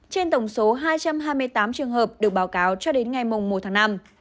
trên tổng số hai trăm hai mươi tám trường hợp được báo cáo cho đến ngày một tháng năm